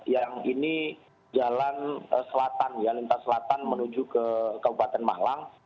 yang ini jalan selatan ya lintas selatan menuju ke kabupaten malang